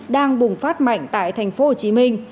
đang bùng phát mạnh tại thành phố hồ chí minh